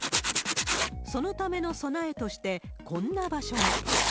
そのための備えとして、こんな場所も。